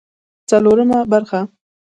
څلورمه برخه